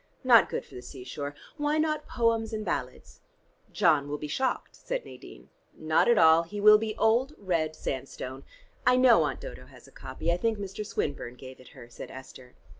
Not good for the sea shore. Why not 'Poems and Ballads'?" "John will be shocked," said Nadine. "Not at all. He will be old red sandstone. I know Aunt Dodo has a copy. I think Mr. Swinburne gave it her," said Esther.